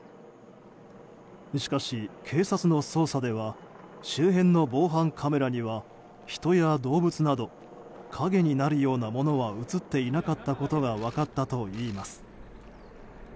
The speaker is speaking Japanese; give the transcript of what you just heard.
しかし、警察の捜査では周辺の防犯カメラには人や動物など影になるようなものは映っていなかったことが分かったといいます。